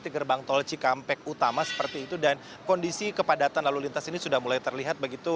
di gerbang tol cikampek utama seperti itu dan kondisi kepadatan lalu lintas ini sudah mulai terlihat begitu